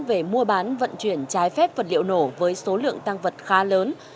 về mua bán vận chuyển trái phép vật liệu nổ với số lượng tăng vật khá lớn